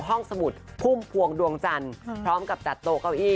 สมุดพุ่มพวงดวงจันทร์พร้อมกับจัดโต๊ะเก้าอี้